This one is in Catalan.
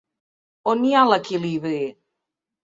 On hi ha l’equilibri?